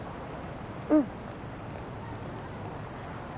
うん。